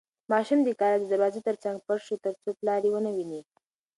ماشوم د کلا د دروازې تر څنګ پټ شو ترڅو پلار یې ونه ویني.